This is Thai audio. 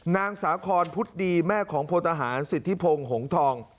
นางสาคอนพุทธดีแม่ของพลทหารสิทธิพงศ์หงทอง